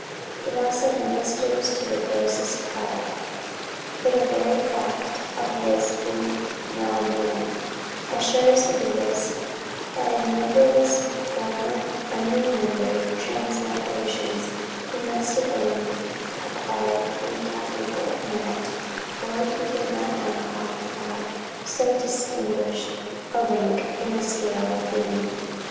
It also ministers to the grossest pride, for the very fact of his being now a man, assures the Buddhist that in numberless former unremembered transmigrations, he must have acquired incalculable merit, or he would not now occupy so distinguished a rank in the scale of being.